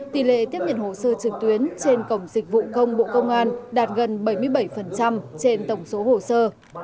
tỷ lệ tiếp nhận hồ sơ trực tuyến trên cổng dịch vụ công bộ công an đạt gần bảy mươi bảy trên tổng số hồ sơ